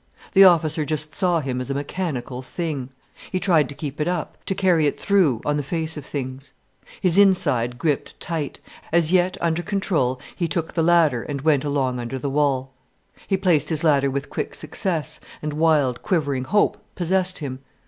The officer just saw him as a mechanical thing. He tried to keep it up, to carry it through on the face of things. His inside gripped tight, as yet under control, he took the ladder and went along under the wall. He placed his ladder with quick success, and wild, quivering hope possessed him.